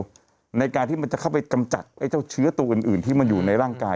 ในการที่มันจะเข้าไปกำจัดไอ้เจ้าเชื้อตัวอื่นที่มันอยู่ในร่างกาย